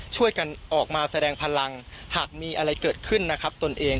ช่วยกันออกมาแสดงพลังหากมีอะไรเกิดขึ้นนะครับตนเอง